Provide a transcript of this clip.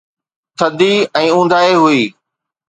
ٿڌي ۽ اونداهي هئي.